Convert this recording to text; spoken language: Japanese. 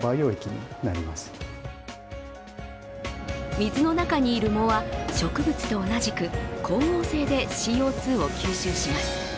水の中にいる藻は植物と同じく光合成でＣＯ２を吸収します。